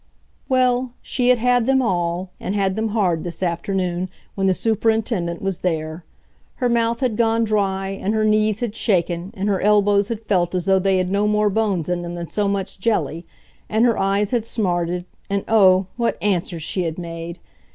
Well, she had had them all and had them hard this afternoon, when the Superintendent was there. Her mouth had gone dry and her knees had shaken and her elbows had felt as though they had no more bones in them than so much jelly, and her eyes had smarted, and oh, what answers she had made!